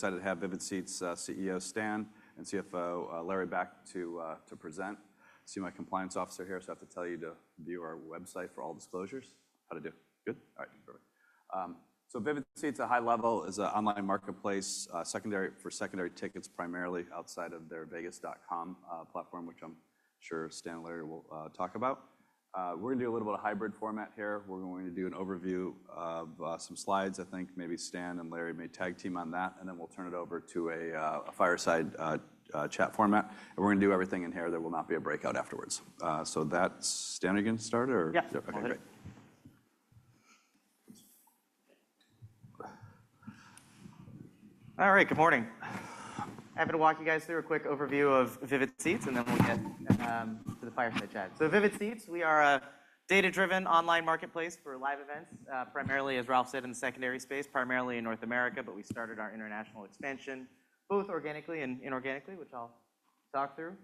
Excited to have Vivid Seats CEO Stan and CFO Larry back to present. I see my compliance officer here, so I have to tell you to view our website for all disclosures. How to do? Good? All right, perfect. Vivid Seats, at a high level, is an online marketplace for secondary tickets, primarily outside of their vegas.com platform, which I'm sure Stan and Larry will talk about. We're going to do a little bit of hybrid format here. We're going to do an overview of some slides. I think maybe Stan and Larry may tag team on that, and then we'll turn it over to a fireside chat format. We're going to do everything in here. There will not be a breakout afterwards. That is Stan again started, or? Yeah. OK, great. All right, good morning. Happy to walk you guys through a quick overview of Vivid Seats, and then we'll get to the fireside chat. Vivid Seats, we are a data-driven online marketplace for live events, primarily, as Ralph said, in the secondary space, primarily in North America. We started our international expansion both organically and inorganically, which I'll talk through.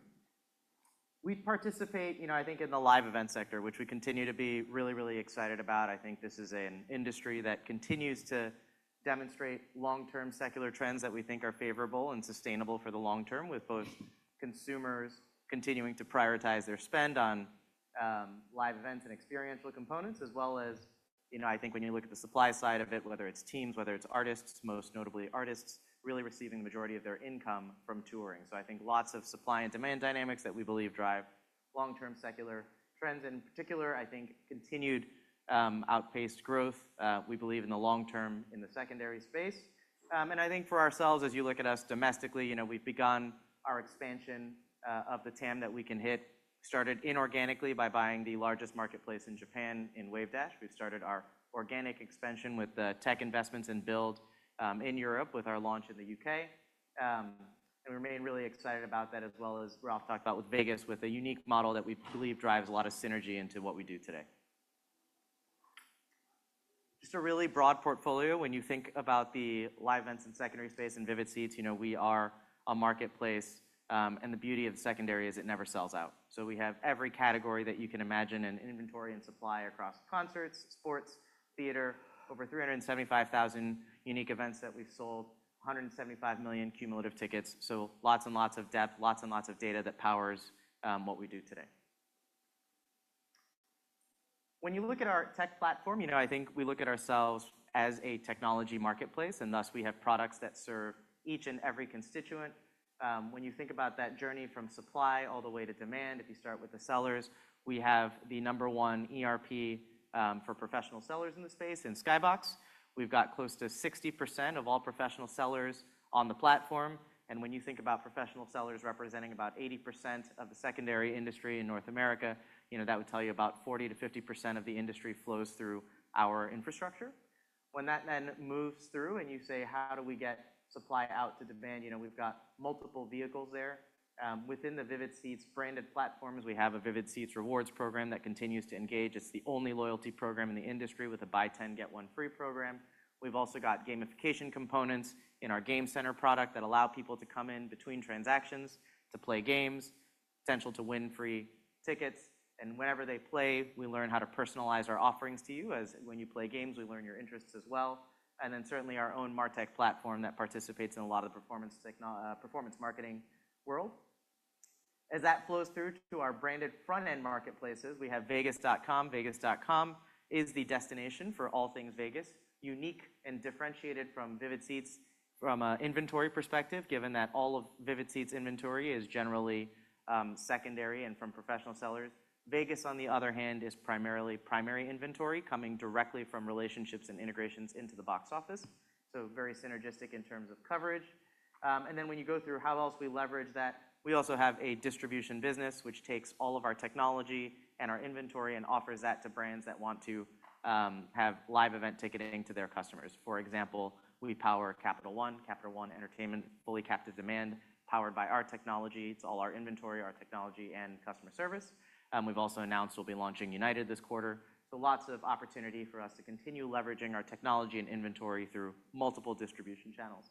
We participate, you know, I think, in the live events sector, which we continue to be really, really excited about. I think this is an industry that continues to demonstrate long-term secular trends that we think are favorable and sustainable for the long term, with both consumers continuing to prioritize their spend on live events and experiential components, as well as, you know, I think when you look at the supply side of it, whether it's teams, whether it's artists, most notably artists really receiving the majority of their income from touring. I think lots of supply and demand dynamics that we believe drive long-term secular trends. In particular, I think continued outpaced growth, we believe, in the long term in the secondary space. I think for ourselves, as you look at us domestically, you know, we've begun our expansion of the TAM that we can hit. We started inorganically by buying the largest marketplace in Japan, in Wavedash. We've started our organic expansion with tech investments and build in Europe with our launch in the U.K. We remain really excited about that, as well as Ralph talked about with Vegas, with a unique model that we believe drives a lot of synergy into what we do today. Just a really broad portfolio. When you think about the live events in the secondary space and Vivid Seats, you know, we are a marketplace. The beauty of the secondary is it never sells out. We have every category that you can imagine in inventory and supply across concerts, sports, theater, over 375,000 unique events that we've sold, 175 million cumulative tickets. Lots and lots of depth, lots and lots of data that powers what we do today. When you look at our tech platform, you know, I think we look at ourselves as a technology marketplace, and thus we have products that serve each and every constituent. When you think about that journey from supply all the way to demand, if you start with the sellers, we have the number one ERP for professional sellers in the space in Skybox. We've got close to 60% of all professional sellers on the platform. When you think about professional sellers representing about 80% of the secondary industry in North America, you know, that would tell you about 40%-50% of the industry flows through our infrastructure. When that then moves through and you say, how do we get supply out to demand, you know, we've got multiple vehicles there. Within the Vivid Seats branded platforms, we have a Vivid Seats Rewards program that continues to engage. It's the only loyalty program in the industry with a buy 10, get 1 free program. We've also got gamification components in our Game Center product that allow people to come in between transactions to play games, potential to win free tickets. Whenever they play, we learn how to personalize our offerings to you. As when you play games, we learn your interests as well. Certainly our own MarTech platform participates in a lot of the performance marketing world. As that flows through to our branded front-end marketplaces, we have vegas.com. Vegas.com is the destination for all things Vegas, unique and differentiated from Vivid Seats from an inventory perspective, given that all of Vivid Seats inventory is generally secondary and from professional sellers. Vegas, on the other hand, is primarily primary inventory coming directly from relationships and integrations into the box office. Very synergistic in terms of coverage. When you go through how else we leverage that, we also have a distribution business, which takes all of our technology and our inventory and offers that to brands that want to have live event ticketing to their customers. For example, we power Capital One, Capital One Entertainment, fully captive demand powered by our technology. It's all our inventory, our technology, and customer service. We've also announced we'll be launching United this quarter. Lots of opportunity for us to continue leveraging our technology and inventory through multiple distribution channels.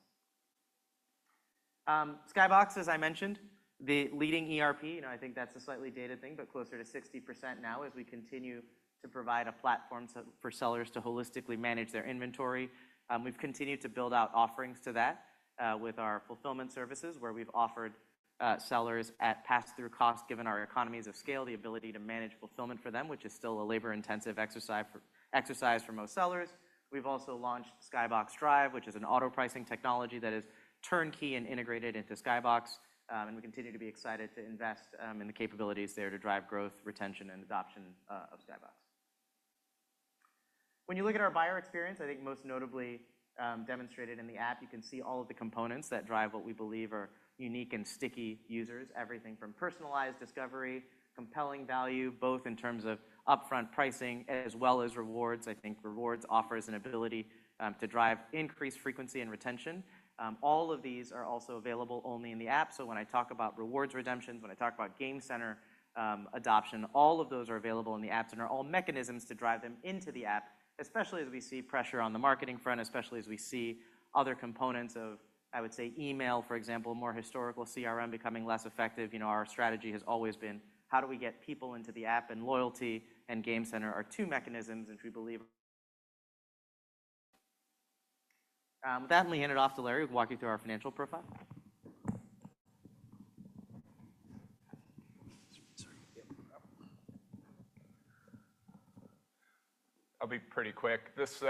Skybox, as I mentioned, the leading ERP, you know, I think that's a slightly dated thing, but closer to 60% now as we continue to provide a platform for sellers to holistically manage their inventory. We've continued to build out offerings to that with our fulfillment services, where we've offered sellers at pass-through cost, given our economies of scale, the ability to manage fulfillment for them, which is still a labor-intensive exercise for most sellers. We've also launched Skybox Drive, which is an auto-pricing technology that is turnkey and integrated into Skybox. We continue to be excited to invest in the capabilities there to drive growth, retention, and adoption of Skybox. When you look at our buyer experience, I think most notably demonstrated in the app, you can see all of the components that drive what we believe are unique and sticky users. Everything from personalized discovery, compelling value, both in terms of upfront pricing as well as rewards. I think rewards offers an ability to drive increased frequency and retention. All of these are also available only in the app. When I talk about rewards redemptions, when I talk about Game Center adoption, all of those are available in the app and are all mechanisms to drive them into the app, especially as we see pressure on the marketing front, especially as we see other components of, I would say, email, for example, more historical CRM becoming less effective. You know, our strategy has always been how do we get people into the app, and loyalty and Game Center are two mechanisms which we believe. With that, let me hand it off to Larry who can walk you through our financial profile. I'll be pretty quick. This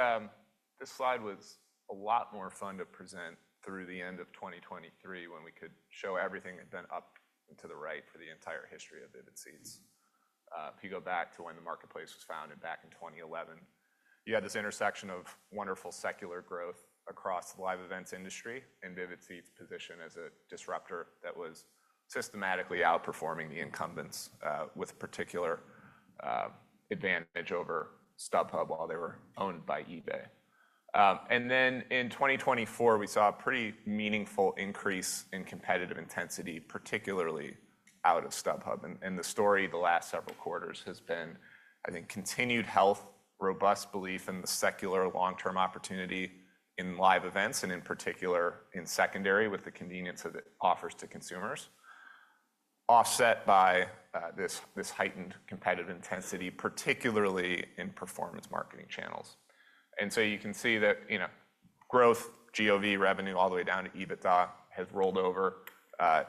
slide was a lot more fun to present through the end of 2023 when we could show everything that had been up to the right for the entire history of Vivid Seats. If you go back to when the marketplace was founded back in 2011, you had this intersection of wonderful secular growth across the live events industry and Vivid Seats' position as a disruptor that was systematically outperforming the incumbents with particular advantage over StubHub while they were owned by eBay. In 2024, we saw a pretty meaningful increase in competitive intensity, particularly out of StubHub. The story the last several quarters has been, I think, continued health, robust belief in the secular long-term opportunity in live events, and in particular in secondary with the convenience that it offers to consumers, offset by this heightened competitive intensity, particularly in performance marketing channels. You can see that, you know, growth, GOV revenue all the way down to EBITDA has rolled over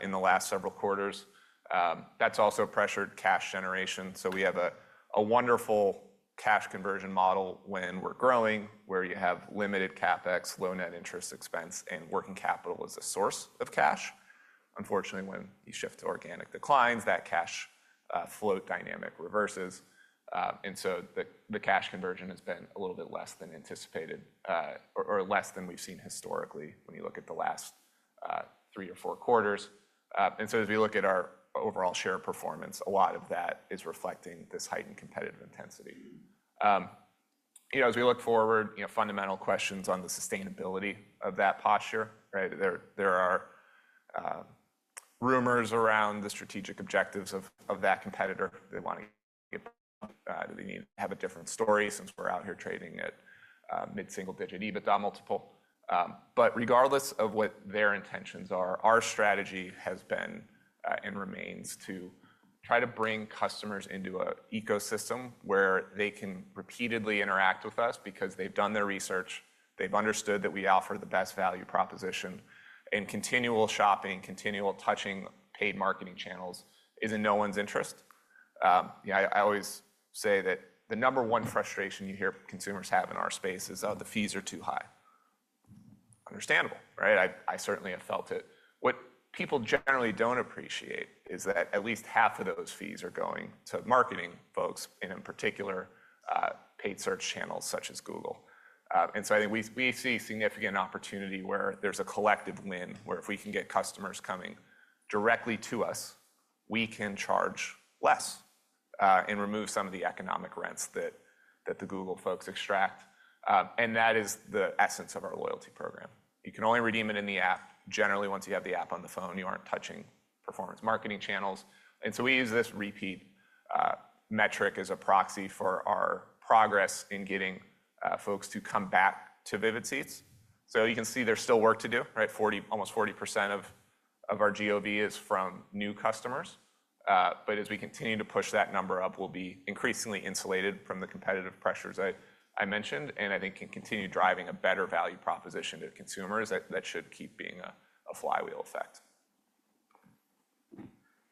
in the last several quarters. That has also pressured cash generation. We have a wonderful cash conversion model when we're growing, where you have limited CapEx, low net interest expense, and working capital as a source of cash. Unfortunately, when you shift to organic declines, that cash float dynamic reverses. The cash conversion has been a little bit less than anticipated or less than we've seen historically when you look at the last three or four quarters. As we look at our overall share of performance, a lot of that is reflecting this heightened competitive intensity. You know, as we look forward, you know, fundamental questions on the sustainability of that posture, right? There are rumors around the strategic objectives of that competitor. They want to get, they need to have a different story since we're out here trading at mid-single digit EBITDA multiple. Regardless of what their intentions are, our strategy has been and remains to try to bring customers into an ecosystem where they can repeatedly interact with us because they've done their research, they've understood that we offer the best value proposition, and continual shopping, continual touching paid marketing channels is in no one's interest. You know, I always say that the number one frustration you hear consumers have in our space is, oh, the fees are too high. Understandable, right? I certainly have felt it. What people generally don't appreciate is that at least half of those fees are going to marketing folks and in particular paid search channels such as Google. I think we see significant opportunity where there's a collective win where if we can get customers coming directly to us, we can charge less and remove some of the economic rents that the Google folks extract. That is the essence of our loyalty program. You can only redeem it in the app. Generally, once you have the app on the phone, you aren't touching performance marketing channels. We use this repeat metric as a proxy for our progress in getting folks to come back to Vivid Seats. You can see there's still work to do, right? Almost 40% of our GOV is from new customers. As we continue to push that number up, we'll be increasingly insulated from the competitive pressures I mentioned, and I think can continue driving a better value proposition to consumers that should keep being a flywheel effect.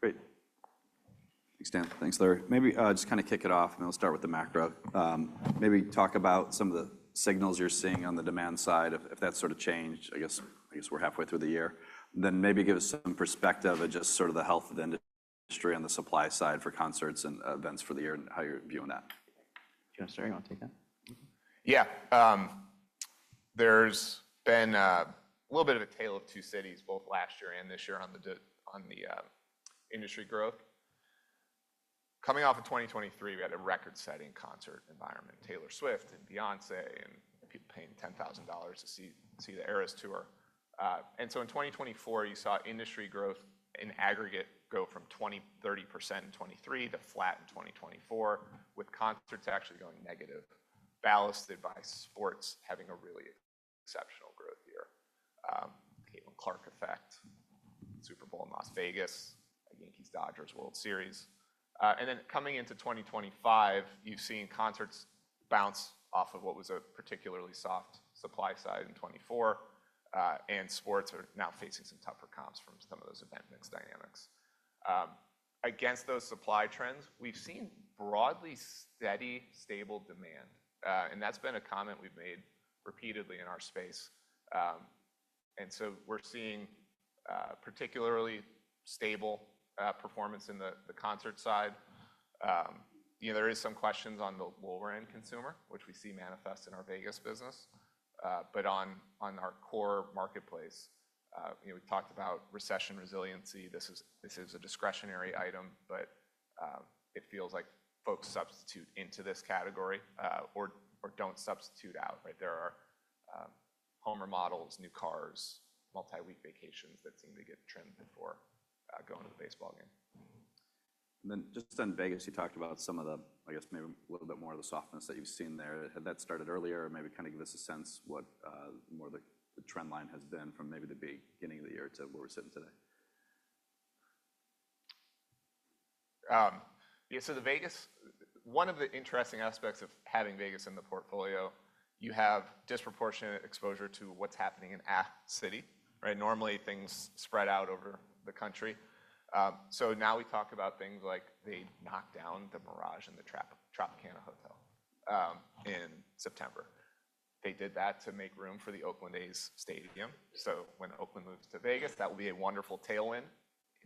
Great. Thanks, Stan. Thanks, Larry. Maybe just kind of kick it off, and then we'll start with the macro. Maybe talk about some of the signals you're seeing on the demand side if that's sort of changed, I guess we're halfway through the year. Then maybe give us some perspective of just sort of the health of the industry on the supply side for concerts and events for the year and how you're viewing that. Josh, Larry, you want to take that? Yeah. There's been a little bit of a tale of two cities, both last year and this year on the industry growth. Coming off of 2023, we had a record-setting concert environment, Taylor Swift and Beyoncé and people paying $10,000 to see the Eras tour. In 2024, you saw industry growth in aggregate go from 20%-30% in 2023 to flat in 2024, with concerts actually going negative, ballasted by sports having a really exceptional growth year. Caitlin Clark effect, Super Bowl in Las Vegas, Yankees-Dodgers World Series. Coming into 2025, you've seen concerts bounce off of what was a particularly soft supply side in 2024, and sports are now facing some tougher comps from some of those event mix dynamics. Against those supply trends, we've seen broadly steady, stable demand. That's been a comment we've made repeatedly in our space. We're seeing particularly stable performance in the concert side. You know, there are some questions on the lower-end consumer, which we see manifest in our Vegas business. On our core marketplace, you know, we talked about recession resiliency. This is a discretionary item, but it feels like folks substitute into this category or don't substitute out, right? There are home remodels, new cars, multi-week vacations that seem to get trimmed before going to the baseball game. In Vegas, you talked about some of the, I guess, maybe a little bit more of the softness that you've seen there. Had that started earlier? Maybe kind of give us a sense of what more of the trend line has been from maybe the beginning of the year to where we're sitting today. Yeah, so the Vegas, one of the interesting aspects of having vegas.com in the portfolio, you have disproportionate exposure to what's happening in a city, right? Normally, things spread out over the country. Now we talk about things like they knocked down the Mirage and the Tropicana Hotel in September. They did that to make room for the Oakland A's Stadium. When Oakland moves to Las Vegas, that will be a wonderful tailwind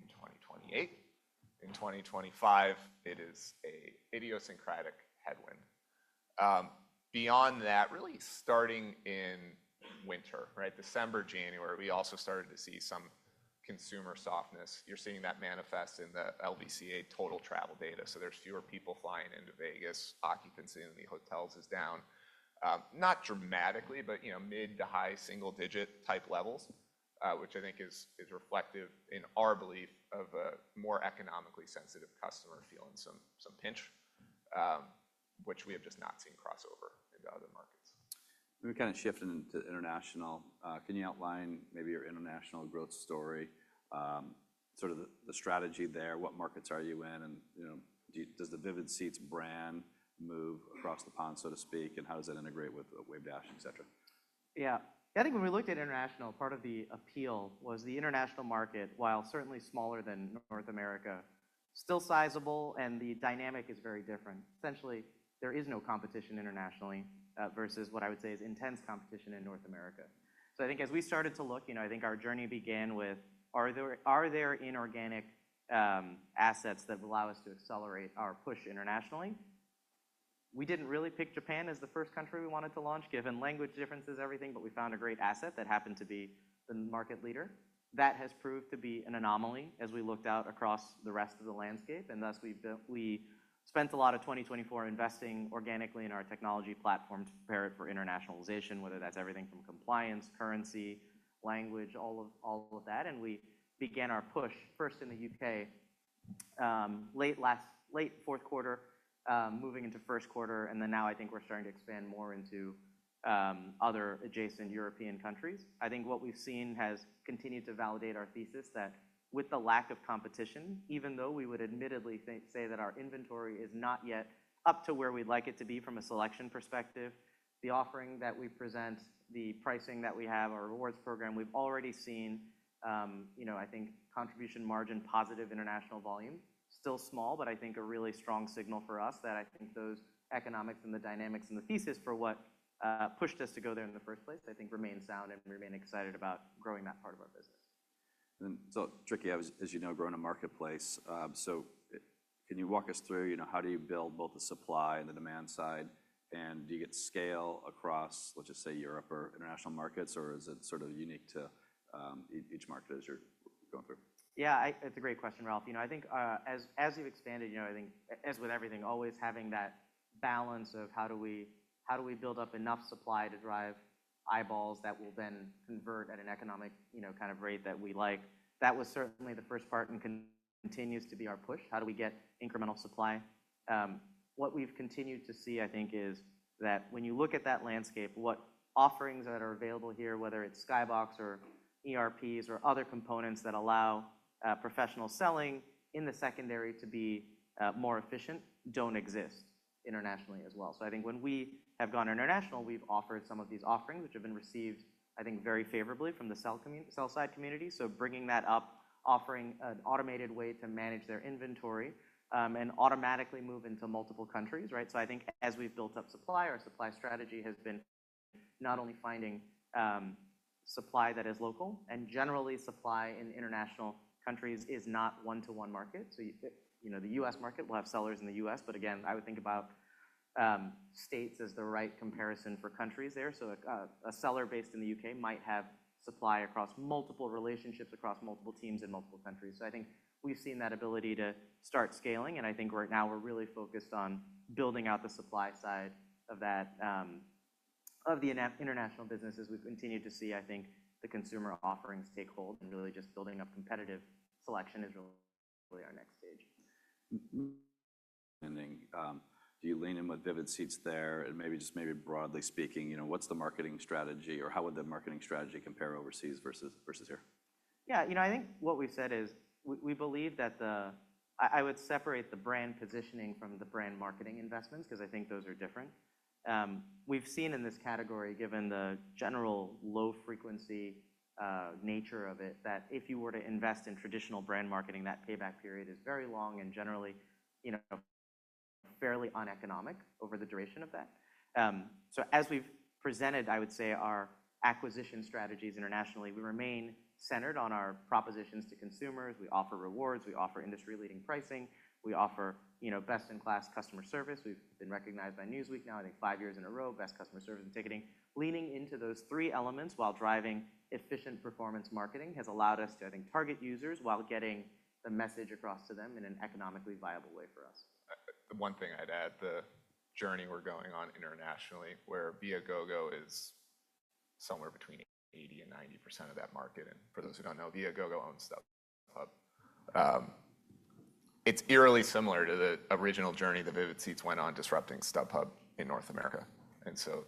in 2028. In 2025, it is an idiosyncratic headwind. Beyond that, really starting in winter, right, December, January, we also started to see some consumer softness. You're seeing that manifest in the LBCA total travel data. There are fewer people flying into Las Vegas. Occupancy in the hotels is down. Not dramatically, but, you know, mid to high single-digit type levels, which I think is reflective in our belief of a more economically sensitive customer feeling some pinch, which we have just not seen crossover into other markets. We've kind of shifted into international. Can you outline maybe your international growth story, sort of the strategy there, what markets are you in, and, you know, does the Vivid Seats brand move across the pond, so to speak, and how does that integrate with Wavedash, etc? Yeah. I think when we looked at international, part of the appeal was the international market, while certainly smaller than North America, still sizable, and the dynamic is very different. Essentially, there is no competition internationally versus what I would say is intense competition in North America. I think as we started to look, you know, I think our journey began with, are there inorganic assets that will allow us to accelerate our push internationally? We did not really pick Japan as the first country we wanted to launch, given language differences, everything, but we found a great asset that happened to be the market leader. That has proved to be an anomaly as we looked out across the rest of the landscape. Thus, we spent a lot of 2024 investing organically in our technology platform to prepare it for internationalization, whether that's everything from compliance, currency, language, all of that. We began our push first in the U.K., late fourth quarter, moving into first quarter, and then now I think we're starting to expand more into other adjacent European countries. I think what we've seen has continued to validate our thesis that with the lack of competition, even though we would admittedly say that our inventory is not yet up to where we'd like it to be from a selection perspective, the offering that we present, the pricing that we have, our rewards program, we've already seen, you know, I think contribution margin, positive international volume, still small, but I think a really strong signal for us that I think those economics and the dynamics and the thesis for what pushed us to go there in the first place, I think remain sound and remain excited about growing that part of our business. Tricky, as you know, growing a marketplace. Can you walk us through, you know, how do you build both the supply and the demand side, and do you get scale across, let's just say, Europe or international markets, or is it sort of unique to each market as you're going through? Yeah, it's a great question, Ralph. You know, I think as you've expanded, you know, I think as with everything, always having that balance of how do we build up enough supply to drive eyeballs that will then convert at an economic, you know, kind of rate that we like. That was certainly the first part and continues to be our push. How do we get incremental supply? What we've continued to see, I think, is that when you look at that landscape, what offerings that are available here, whether it's Skybox or ERPs or other components that allow professional selling in the secondary to be more efficient, don't exist internationally as well. I think when we have gone international, we've offered some of these offerings, which have been received, I think, very favorably from the sell-side community. Bringing that up, offering an automated way to manage their inventory and automatically move into multiple countries, right? I think as we've built up supply, our supply strategy has been not only finding supply that is local, and generally supply in international countries is not one-to-one market. You know, the U.S. market will have sellers in the U.S., but again, I would think about states as the right comparison for countries there. A seller based in the U.K. might have supply across multiple relationships, across multiple teams in multiple countries. I think we've seen that ability to start scaling, and I think right now we're really focused on building out the supply side of that, of the international businesses. We've continued to see, I think, the consumer offerings take hold and really just building up competitive selection is really our next stage. Do you lean in with Vivid Seats there? Maybe just maybe broadly speaking, you know, what's the marketing strategy or how would the marketing strategy compare overseas versus here? Yeah, you know, I think what we've said is we believe that the, I would separate the brand positioning from the brand marketing investments because I think those are different. We've seen in this category, given the general low-frequency nature of it, that if you were to invest in traditional brand marketing, that payback period is very long and generally, you know, fairly uneconomic over the duration of that. As we've presented, I would say our acquisition strategies internationally, we remain centered on our propositions to consumers. We offer rewards, we offer industry-leading pricing, we offer, you know, best-in-class customer service. We've been recognized by Newsweek now, I think, five years in a row, best customer service in ticketing. Leaning into those three elements while driving efficient performance marketing has allowed us to, I think, target users while getting the message across to them in an economically viable way for us. One thing I'd add, the journey we're going on internationally where Viagogo is somewhere between 80-90% of that market. And for those who don't know, Viagogo owns StubHub. It's eerily similar to the original journey that Vivid Seats went on disrupting StubHub in North America.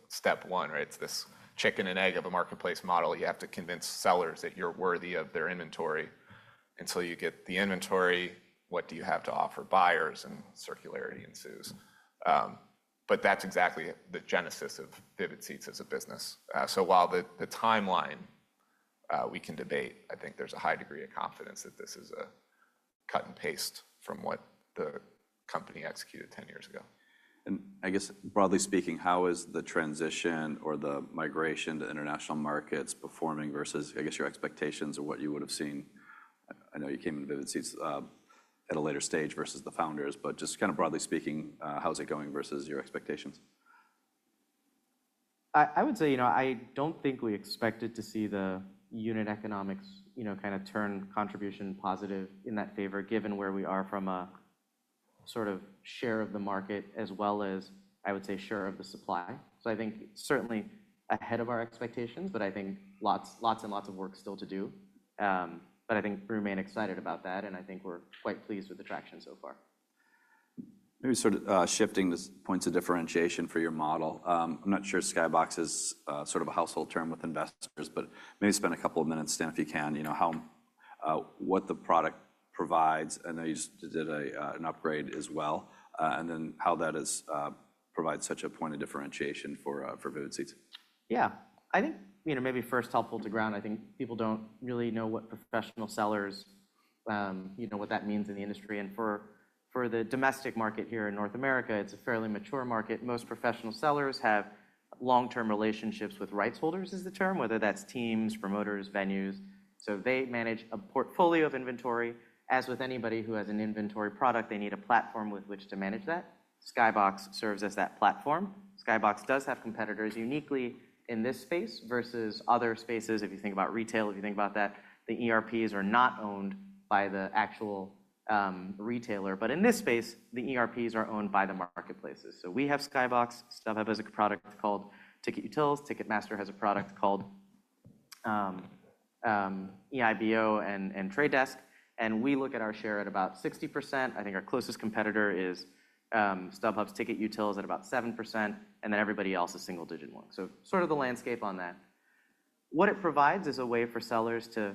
Step one, right, it's this chicken and egg of a marketplace model. You have to convince sellers that you're worthy of their inventory. You get the inventory, what do you have to offer buyers, and circularity ensues. That's exactly the genesis of Vivid Seats as a business. While the timeline we can debate, I think there's a high degree of confidence that this is a cut and paste from what the company executed 10 years ago. I guess broadly speaking, how is the transition or the migration to international markets performing versus, I guess, your expectations or what you would have seen? I know you came into Vivid Seats at a later stage versus the founders, but just kind of broadly speaking, how's it going versus your expectations? I would say, you know, I don't think we expected to see the unit economics, you know, kind of turn contribution positive in that favor given where we are from a sort of share of the market as well as, I would say, share of the supply. I think certainly ahead of our expectations, but I think lots and lots of work still to do. I think we remain excited about that, and I think we're quite pleased with the traction so far. Maybe sort of shifting to points of differentiation for your model. I'm not sure Skybox is sort of a household term with investors, but maybe spend a couple of minutes, Stan, if you can, you know, what the product provides. I know you did an upgrade as well, and then how that provides such a point of differentiation for Vivid Seats. Yeah. I think, you know, maybe first helpful to ground, I think people don't really know what professional sellers, you know, what that means in the industry. And for the domestic market here in North America, it's a fairly mature market. Most professional sellers have long-term relationships with rights holders, is the term, whether that's teams, promoters, venues. So they manage a portfolio of inventory. As with anybody who has an inventory product, they need a platform with which to manage that. Skybox serves as that platform. Skybox does have competitors uniquely in this space versus other spaces. If you think about retail, if you think about that, the ERPs are not owned by the actual retailer. But in this space, the ERPs are owned by the marketplaces. So we have Skybox, StubHub has a product called Ticket Utils, Ticketmaster has a product called EIBO and Trade Desk. We look at our share at about 60%. I think our closest competitor is StubHub's Ticket Utils at about 7%, and then everybody else is single-digit one. Sort of the landscape on that. What it provides is a way for sellers to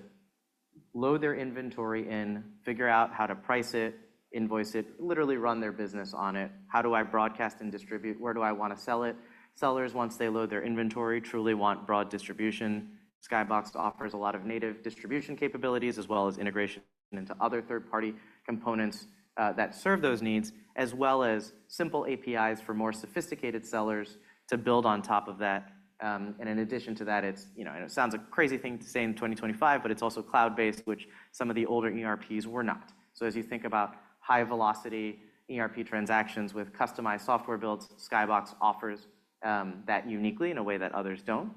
load their inventory in, figure out how to price it, invoice it, literally run their business on it. How do I broadcast and distribute? Where do I want to sell it? Sellers, once they load their inventory, truly want broad distribution. Skybox offers a lot of native distribution capabilities as well as integration into other third-party components that serve those needs, as well as simple APIs for more sophisticated sellers to build on top of that. In addition to that, it's, you know, it sounds a crazy thing to say in 2025, but it's also cloud-based, which some of the older ERPs were not. As you think about high-velocity ERP transactions with customized software builds, Skybox offers that uniquely in a way that others do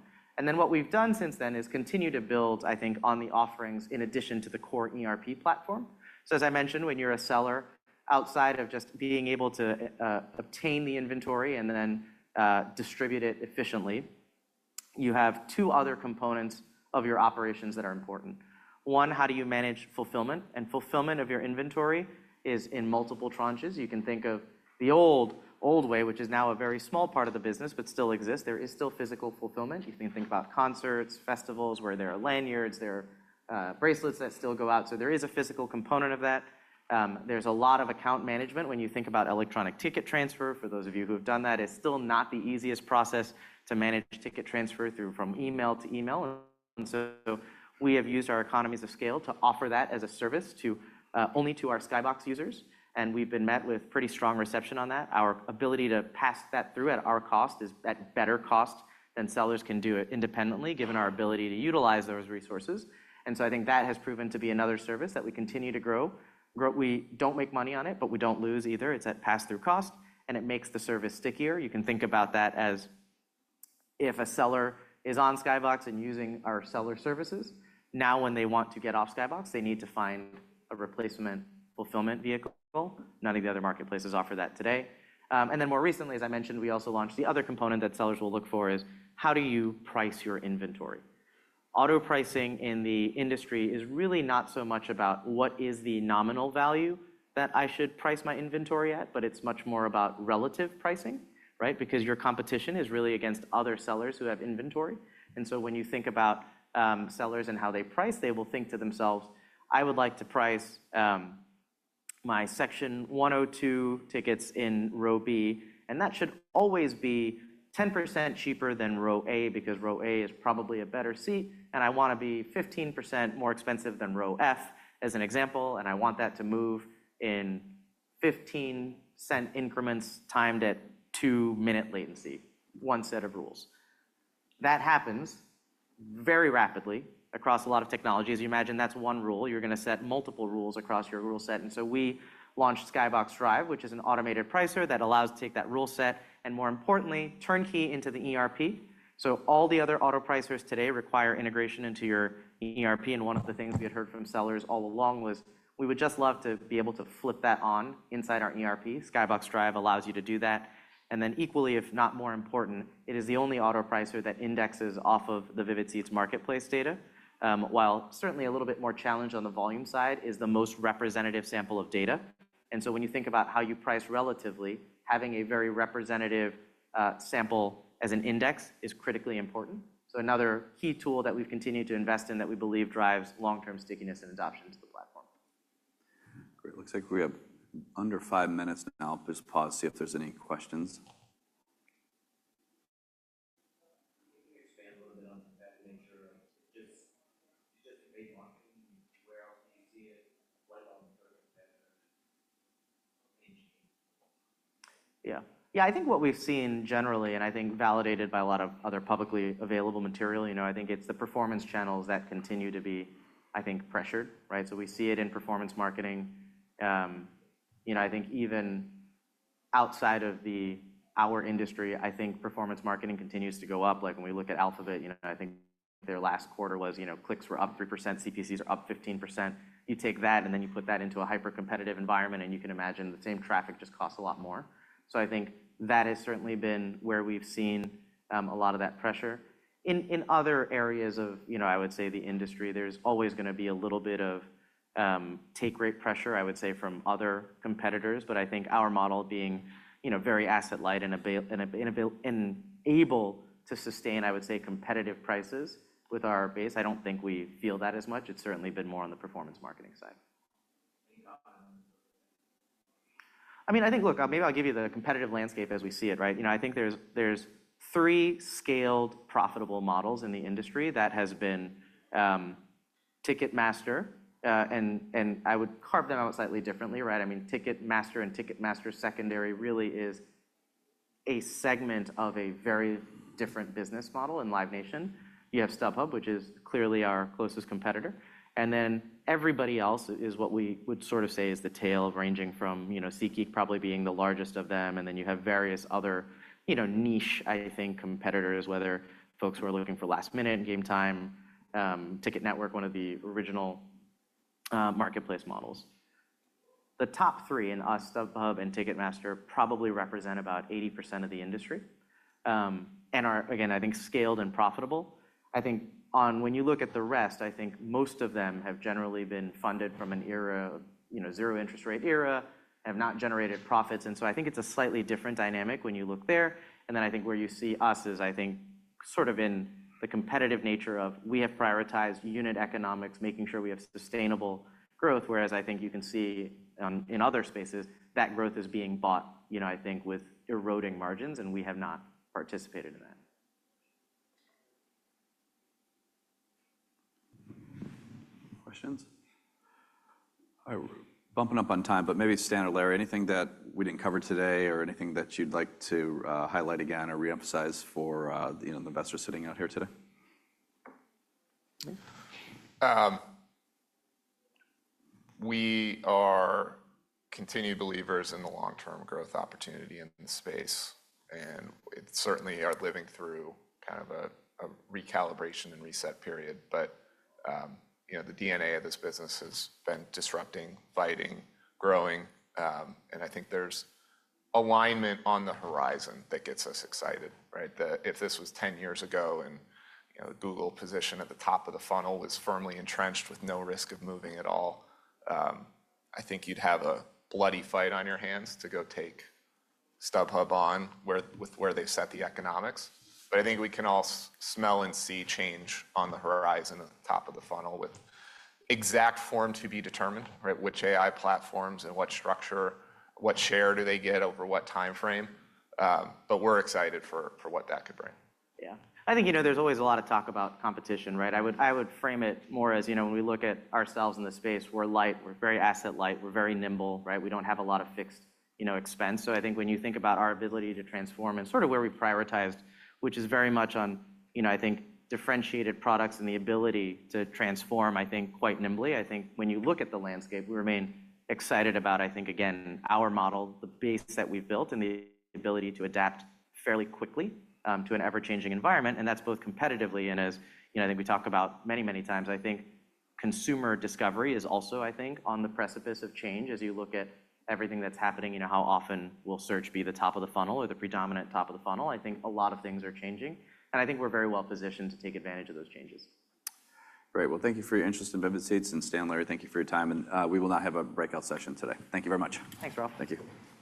not. What we have done since then is continue to build, I think, on the offerings in addition to the core ERP platform. As I mentioned, when you are a seller outside of just being able to obtain the inventory and then distribute it efficiently, you have two other components of your operations that are important. One, how do you manage fulfillment? Fulfillment of your inventory is in multiple tranches. You can think of the old way, which is now a very small part of the business, but still exists. There is still physical fulfillment. You can think about concerts, festivals where there are lanyards, there are bracelets that still go out. There is a physical component of that. There is a lot of account management. When you think about electronic ticket transfer, for those of you who have done that, it's still not the easiest process to manage ticket transfer from email to email. We have used our economies of scale to offer that as a service only to our Skybox users. We have been met with pretty strong reception on that. Our ability to pass that through at our cost is at better cost than sellers can do it independently, given our ability to utilize those resources. I think that has proven to be another service that we continue to grow. We do not make money on it, but we do not lose either. It is at pass-through cost, and it makes the service stickier. You can think about that as if a seller is on Skybox and using our seller services, now when they want to get off Skybox, they need to find a replacement fulfillment vehicle. None of the other marketplaces offer that today. More recently, as I mentioned, we also launched the other component that sellers will look for is how do you price your inventory. Auto pricing in the industry is really not so much about what is the nominal value that I should price my inventory at, but it is much more about relative pricing, right? Because your competition is really against other sellers who have inventory. When you think about sellers and how they price, they will think to themselves, I would like to price my Section 102 tickets in row B, and that should always be 10% cheaper than row A because row A is probably a better seat, and I want to be 15% more expensive than row F as an example, and I want that to move in 15-cent increments timed at two-minute latency, one set of rules. That happens very rapidly across a lot of technologies. You imagine that's one rule. You're going to set multiple rules across your rule set. We launched Skybox Drive, which is an automated Pricer that allows you to take that rule set and, more importantly, turnkey into the ERP. All the other auto Pricers today require integration into your ERP. One of the things we had heard from sellers all along was we would just love to be able to flip that on inside our ERP. Skybox Drive allows you to do that. Equally, if not more important, it is the only auto pricer that indexes off of the Vivid Seats marketplace data. While certainly a little bit more challenged on the volume side, it is the most representative sample of data. When you think about how you price relatively, having a very representative sample as an index is critically important. Another key tool that we've continued to invest in that we believe drives long-term stickiness and adoption to the platform. Great. Looks like we have under five minutes now. Please pause to see if there's any questions. Can you expand a little bit on the competitive nature of just main marketing and where else do you see it? Like on the third competitor? Yeah. Yeah, I think what we've seen generally, and I think validated by a lot of other publicly available material, you know, I think it's the performance channels that continue to be, I think, pressured, right? We see it in performance marketing. You know, I think even outside of our industry, I think performance marketing continues to go up. Like when we look at Alphabet, you know, I think their last quarter was, you know, clicks were up 3%, CPCs are up 15%. You take that and then you put that into a hyper-competitive environment, and you can imagine the same traffic just costs a lot more. I think that has certainly been where we've seen a lot of that pressure. In other areas of, you know, I would say the industry, there's always going to be a little bit of take-rate pressure, I would say, from other competitors. I think our model being, you know, very asset-light and able to sustain, I would say, competitive prices with our base, I don't think we feel that as much. It's certainly been more on the performance marketing side. I mean, I think, look, maybe I'll give you the competitive landscape as we see it, right? You know, I think there's three scaled profitable models in the industry that have been Ticketmaster, and I would carve them out slightly differently, right? I mean, Ticketmaster and Ticketmaster Secondary really is a segment of a very different business model in Live Nation. You have StubHub, which is clearly our closest competitor. Everybody else is what we would sort of say is the tail, ranging from, you know, SeatGeek probably being the largest of them. Then you have various other, you know, niche, I think, competitors, whether folks who are looking for last-minute game time, Ticket Network, one of the original marketplace models. The top three in the U.S., StubHub, and Ticketmaster probably represent about 80% of the industry and are, again, I think, scaled and profitable. I think when you look at the rest, I think most of them have generally been funded from an era, you know, zero-interest rate era, have not generated profits. I think it is a slightly different dynamic when you look there. I think where you see us is, I think, sort of in the competitive nature of we have prioritized unit economics, making sure we have sustainable growth, whereas I think you can see in other spaces that growth is being bought, you know, I think, with eroding margins, and we have not participated in that. Questions? Bumping up on time, but maybe Stan or Larry, anything that we didn't cover today or anything that you'd like to highlight again or reemphasize for the investors sitting out here today? We are continued believers in the long-term growth opportunity in the space, and it certainly is living through kind of a recalibration and reset period. But, you know, the DNA of this business has been disrupting, fighting, growing, and I think there's alignment on the horizon that gets us excited, right? If this was 10 years ago and, you know, Google position at the top of the funnel was firmly entrenched with no risk of moving at all, I think you'd have a bloody fight on your hands to go take StubHub on with where they set the economics. But I think we can all smell and see change on the horizon at the top of the funnel with exact form to be determined, right? Which AI platforms and what structure, what share do they get over what timeframe? But we're excited for what that could bring. Yeah. I think, you know, there's always a lot of talk about competition, right? I would frame it more as, you know, when we look at ourselves in the space, we're light, we're very asset-light, we're very nimble, right? We don't have a lot of fixed, you know, expense. I think when you think about our ability to transform and sort of where we prioritized, which is very much on, you know, I think, differentiated products and the ability to transform, I think, quite nimbly. I think when you look at the landscape, we remain excited about, I think, again, our model, the base that we've built and the ability to adapt fairly quickly to an ever-changing environment. That's both competitively and as, you know, I think we talk about many, many times. I think consumer discovery is also, I think, on the precipice of change. As you look at everything that's happening, you know, how often will search be the top of the funnel or the predominant top of the funnel? I think a lot of things are changing, and I think we're very well positioned to take advantage of those changes. Great. Thank you for your interest in Vivid Seats. Stan, Larry, thank you for your time. We will not have a breakout session today. Thank you very much. Thanks, Ralph. Thank you.